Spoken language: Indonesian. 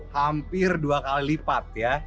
hampir dua kali lipat ya